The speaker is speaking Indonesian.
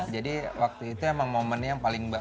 jadi waktu itu emang momen yang paling